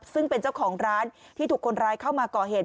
ซึ่งเป็นเจ้าของร้านที่ถูกคนร้ายเข้ามาก่อเหตุ